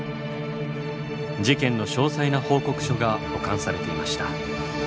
事件の詳細な報告書が保管されていました。